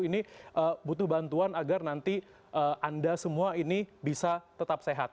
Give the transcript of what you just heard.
ini butuh bantuan agar nanti anda semua ini bisa tetap sehat